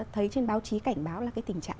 thấy trên báo chí cảnh báo là cái tình trạng